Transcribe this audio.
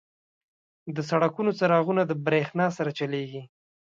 • د سړکونو څراغونه د برېښنا سره چلیږي.